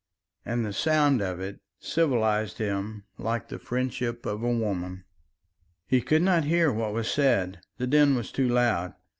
And the sound of it civilised him like the friendship of a woman. He could not hear what was said; the din was too loud.